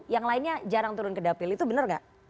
yang lainnya jarang turun ke dapil itu benar nggak